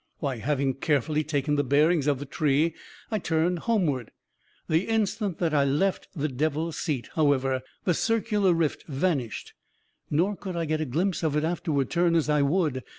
"Why, having carefully taken the bearings of the tree, I turned homeward. The instant that I left 'the devil's seat,' however, the circular rift vanished; nor could I get a glimpse of it afterward, turn as I would.